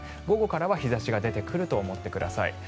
午後からは日差しが出てくると思ってください。